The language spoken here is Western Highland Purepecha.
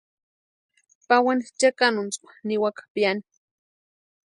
Pawani chekanuntskwa niwaka piani.